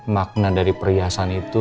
makna dari perhiasan itu